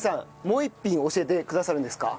もう一品教えてくださるんですか？